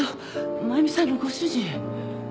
真弓さんのご主人。